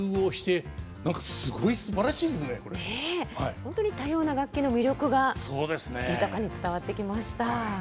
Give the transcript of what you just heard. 本当に多様な楽器の魅力が豊かに伝わってきました。